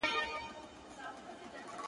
د چا د سترگو د رڼا په حافظه کي نه يم